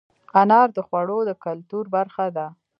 انار د خوړو د کلتور برخه ده.